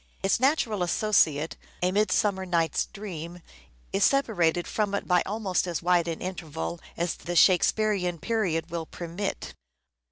Its natural associate, "A Midsummer Night's Dream," is separated from it by almost as wide an interval as the Shakespearean period will permit.